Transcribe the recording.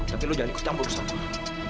tapi lu jangan ikut campur sama